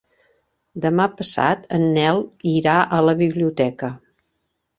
Demà passat en Nel irà a la biblioteca.